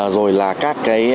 rồi là các cái